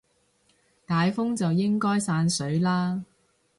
解封就應該散水啦